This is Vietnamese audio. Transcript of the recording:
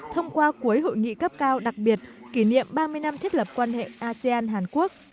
thông qua cuối hội nghị cấp cao đặc biệt kỷ niệm ba mươi năm thiết lập quan hệ asean hàn quốc